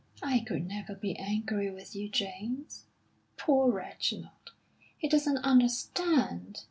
"I could never be angry with you, James.... Poor Reginald, he doesn't understand!